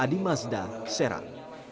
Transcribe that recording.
adi mazda serang